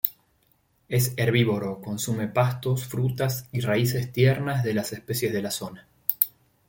Es herbívoro, consume pastos, frutas y raíces tiernas de las especies de la zona.